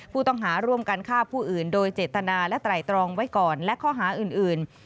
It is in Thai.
ผู้ต้องหาร่วมกันฆ่าผู้อื่นโดยเจตนาและไตรตรองไว้ก่อนและข้อหาอื่น